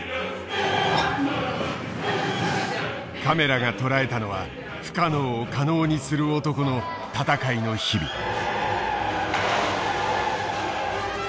カメラが捉えたのは不可能を可能にする男の闘いの日々。